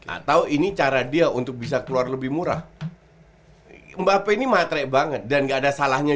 atau ini cara dia untuk bisa keluar lebih murah mbak pei ini matrek banget dan nggak ada salahnya